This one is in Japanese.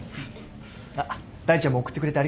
あっ大ちゃんも送ってくれてありがとね。